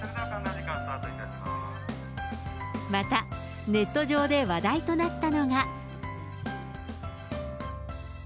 また、ネット上で話題となったのが。